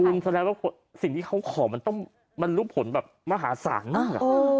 คุณแสดงว่าสิ่งที่เขาขอมันรูปผลมหาศาลมาก